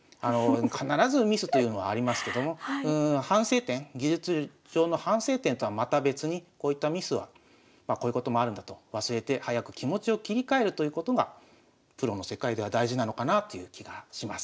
必ずミスというのはありますけども反省点技術上の反省点とはまた別にこういったミスはまあこういうこともあるんだと忘れて早く気持ちを切り替えるということがプロの世界では大事なのかなという気がします。